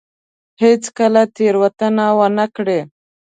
هېڅ کله تېروتنه ونه کړي.